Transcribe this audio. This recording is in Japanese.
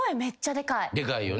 でかいよな。